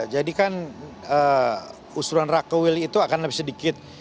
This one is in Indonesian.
jadi kan usulan rakewil itu akan lebih sedikit